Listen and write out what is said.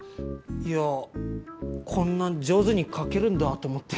いやこんな上手に描けるんだと思って。